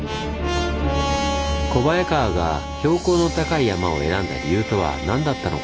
小早川が標高の高い山を選んだ理由とは何だったのか？